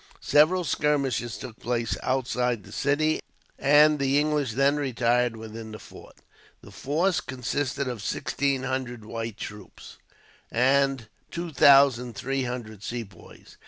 Several skirmishes took place outside the city, and the English then retired within the fort. The force consisted of sixteen hundred white troops, and two thousand three hundred Sepoys.